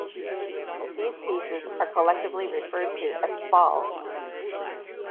These pieces are collectively referred to as spall.